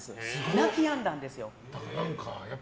泣きやんだんですよ。